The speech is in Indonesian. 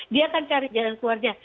dia akan cari jalan keluarnya